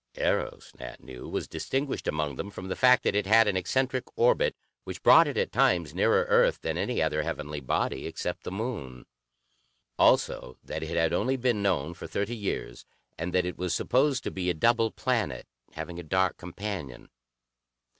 Eros, Nat knew, was distinguished among them from the fact that it had an eccentric orbit, which brought it at times nearer Earth than any other heavenly body except the Moon. Also that it had only been known for thirty years, and that it was supposed to be a double planet, having a dark companion.